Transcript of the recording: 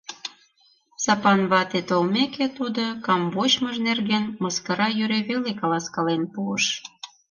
Сапан вате толмеке тудо камвочмыж нерген мыскара йӧре веле каласкален пуыш.